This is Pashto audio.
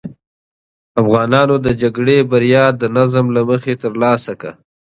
افغانانو د جګړې بریا د نظم له مخې ترلاسه کړه.